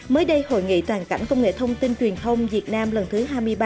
mới đây hội nghị toàn cảnh công nghệ thông tin truyền thông việt nam lần thứ hai mươi ba